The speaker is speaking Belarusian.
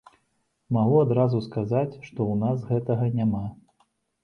Магу адразу сказаць, што ў нас гэтага няма.